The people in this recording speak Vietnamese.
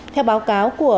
theo báo cáo của